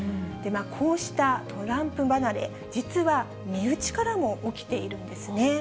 こうしたトランプ離れ、実は身内からも起きているんですね。